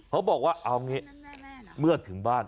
เขาบอกว่าเอางี้เมื่อถึงบ้าน